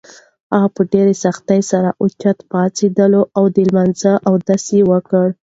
هغه په ډېرې سختۍ سره اوچته پاڅېده او د لمانځه اودس یې وکړ.